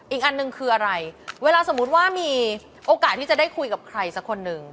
อีกอันหนึ่งคืออะไรเวลาสมมุติว่ามีโอกาสที่จะได้คุยกับใครสักคนหนึ่ง